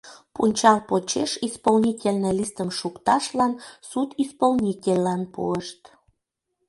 Пунчал почеш исполнительный листым шукташлан судисполнительлан пуышт.